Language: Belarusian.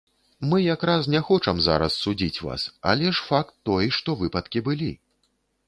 Мы якраз не хочам зараз судзіць вас, але ж факт той, што выпадкі былі.